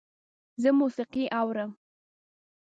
زه موسیقی اورم